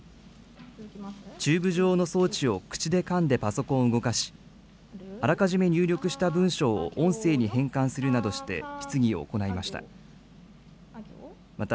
チューブ状の装置を口でかんでパソコンを動かし、あらかじめ入力した文書を音声に変換するなどして、質疑を行いました。